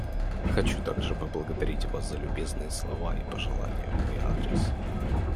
Хочу также поблагодарить вас за любезные слова и пожелания в мой адрес.